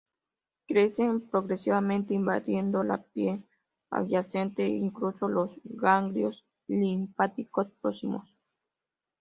Crecen progresivamente invadiendo la piel adyacente e incluso los ganglios linfáticos próximos.